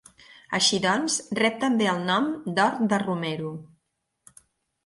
Així doncs, rep també el nom d'Hort de Romero.